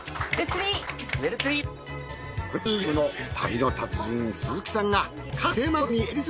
旅の達人鈴木さんです！